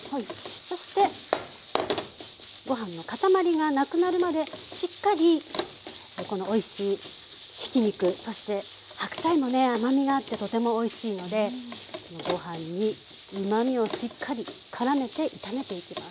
そしてご飯の塊がなくなるまでしっかりこのおいしいひき肉そして白菜もね甘みがあってとてもおいしいのでご飯にうまみをしっかり絡めて炒めていきます。